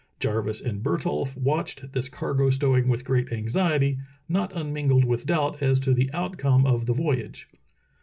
Jarvis and Bert holf watched this cargo stowing with great anxiety, not unmingled with doubt as to the outcome of the voyage.